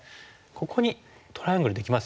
ここにトライアングルできますよね。